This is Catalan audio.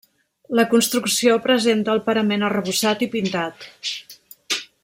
La construcció presenta el parament arrebossat i pintat.